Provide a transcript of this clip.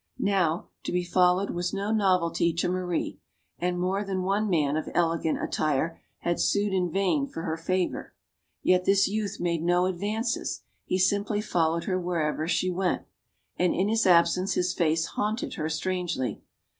Now, to be followed was no novelty to Marie. And more than one man of "elegant attire" had sued in vain for her favor. Yet this youth made no advances. He simply followed her wherever she went. And in his absence his face haunted her strangely.